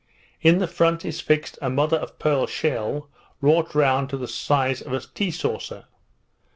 In the front is fixed a mother o' pearl shell wrought round to the size of a tea saucer.